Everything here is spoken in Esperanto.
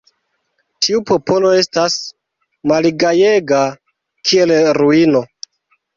Tiu popolo estas malgajega, kiel ruino.